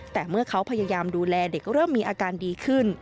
แต่เมื่อเขาพยายามดูแลเด็กเริ่มมีอาการดีขึ้น